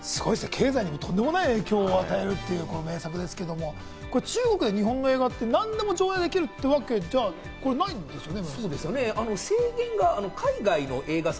経済にもとんでもない影響を与えるという名作ですけど、中国で日本の映画って何でも上映できるってわけじゃないんですよね？